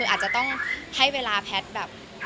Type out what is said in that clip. อาจจะต้องให้เวลาแพทย์แบบ